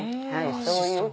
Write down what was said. そういう。